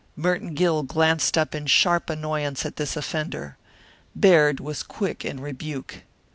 Merton Gill glanced up in sharp annoyance at this offender. Baird was quick in rebuke.